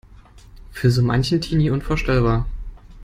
Für so manchen Teenie unvorstellbar.